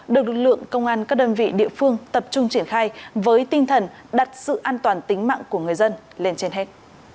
được lực lượng công an các đơn vị địa phương tập trung triển khai với tinh thần đặt sự an toàn tính mạng của người dân lên trên hết